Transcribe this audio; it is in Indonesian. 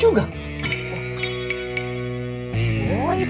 bagaimana kalau ada yang